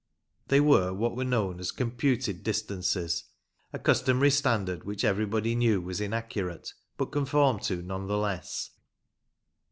They were what were known as " computed distances," a customary standard which everybody knew was inaccurate, but conformed to none the less.